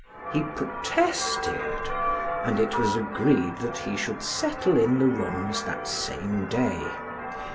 He protested, and it was agreed that he should settle in the rooms that same day.